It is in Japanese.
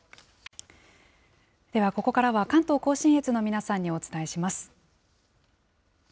ではここからは、関東甲信越の皆さんにお伝えします。